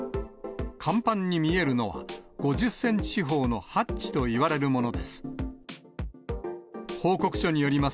甲板に見えるのは、５０センチ四方のハッチといわれるものです。